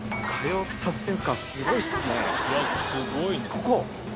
ここ。